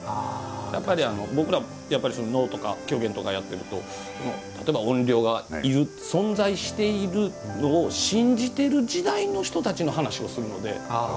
やっぱり、僕たち能とか狂言とかやってると例えば怨霊がいる存在しているのを信じている時代の人たちの話をするので。